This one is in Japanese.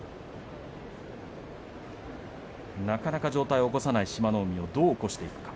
なかなか上体を起こさない志摩ノ海をどう起こしていくか。